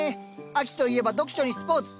秋といえば読書にスポーツ。